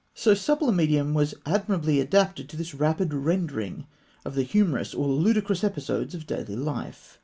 So supple a medium was admirably adapted to the rapid rendering of the humorous or ludicrous episodes of daily life.